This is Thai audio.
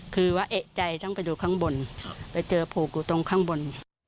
คือว่าเอกใจต้องไปดูข้างบนไปเจอผูกอยู่ตรงข้างบน